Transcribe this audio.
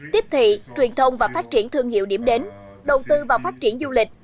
tiếp thị truyền thông và phát triển thương hiệu điểm đến đầu tư vào phát triển du lịch